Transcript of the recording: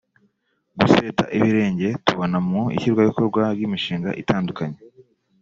Guseta ibirenge tubona mu ishyirwa mu bikorwa ry’imishinga itandukanye